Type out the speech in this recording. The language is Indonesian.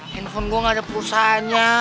handphone gue gak ada perusahaannya